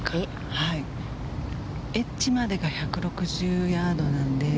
エッジまで１６０ヤードなので。